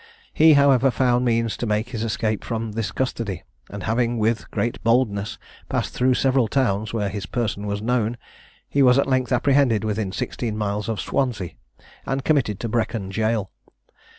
He, however, found means to make his escape from this custody; and having with great boldness passed through several towns, where his person was known, he was at length apprehended within sixteen miles of Swansea, and committed to Brecon jail.